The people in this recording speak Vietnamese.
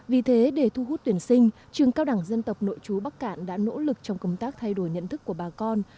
vì thế để thu hút tuyển sinh trường cao đẳng dân tộc nội chú bắc cạn đã nỗ lực trong công tác thay đổi nhận thức của bà con